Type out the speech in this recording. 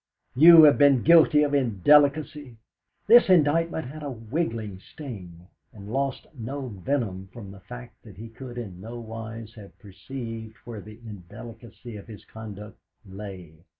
"You have been guilty of indelicacy!" This indictment had a wriggling sting, and lost no venom from the fact that he could in no wise have perceived where the indelicacy of his conduct lay.